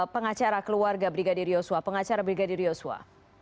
pengacara keluarga brigade rioswa pengacara brigade rioswa